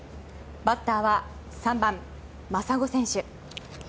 バッターは３番、真砂選手。